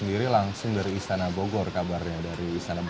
kemudian juga tps lima puluh satu